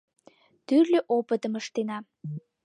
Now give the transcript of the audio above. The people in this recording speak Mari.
Тӱрлӧ опытым ыштена.